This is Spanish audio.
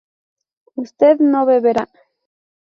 ¿usted no beberá?